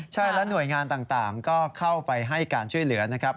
ใช่และหน่วยงานต่างก็เข้าไปให้การช่วยเหลือนะครับ